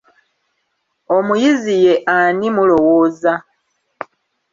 Omuyizi ye ani mulowooza?